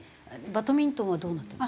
バドミントンはどうなってる？